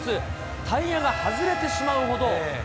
タイヤが外れてしまうほど。